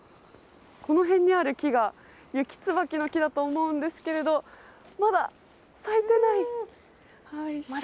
この辺にある木がユキツバキの木だと思うんですけど、まだ咲いてない。